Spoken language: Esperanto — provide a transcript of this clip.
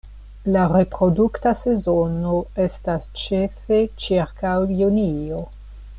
La reprodukta sezono estas ĉefe ĉirkaŭ junio.